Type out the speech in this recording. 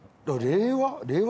令和？